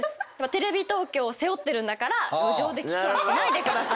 「テレビ東京を背負ってるんだから路上でキスはしないでください」